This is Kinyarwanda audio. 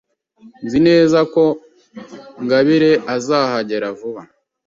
Nzi neza ko Ngabire azahagera vuba.